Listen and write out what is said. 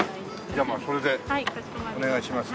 じゃあそれでお願いします。